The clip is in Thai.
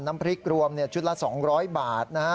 น้ำพริกรวมชุดละ๒๐๐บาทนะฮะ